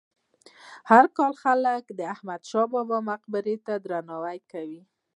هر کال خلک د احمد شاه بابا مقبرې ته درناوی کوي.